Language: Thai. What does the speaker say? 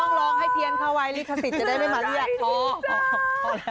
ต้องร้องให้เพียงเข้าวัยลิขสิทธิ์จะได้ไม่มาเลียกเพราะ